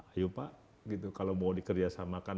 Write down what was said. ayo pak gitu kalau mau dikerjasamakan